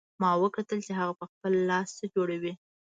ما وکتل چې هغه په خپل لاس څه جوړوي